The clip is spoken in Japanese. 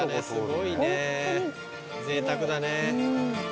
すごいねぜいたくだね。